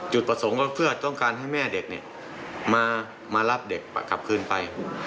จุดประสงค์ก็เพื่อต้องการให้แม่เด็กมารับเด็กกลับคืนไป